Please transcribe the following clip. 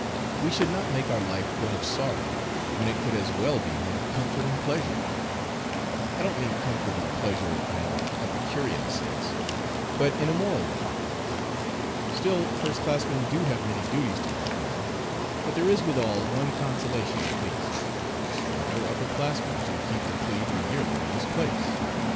We should not make our life one of sorrow when it could as well be one of comfort and pleasure. I don't mean comfort and pleasure in an epicurean sense, but in a moral one. Still first classmen do have many duties to perform, but there is withal one consolation at least, there are no upper classmen to keep the plebe or yearling in his place.